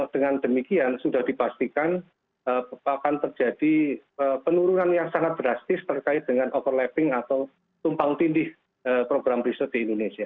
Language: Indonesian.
dengan demikian sudah dipastikan akan terjadi penurunan yang sangat drastis terkait dengan overlapping atau tumpang tindih program riset di indonesia